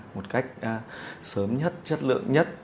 một cách sớm nhất chất lượng nhất